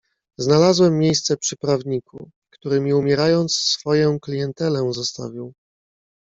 "Znalazłem miejsce przy prawniku, który mi umierając swoję klientelę zostawił."